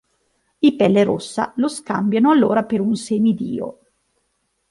I pellerossa lo scambiano allora per un semidio.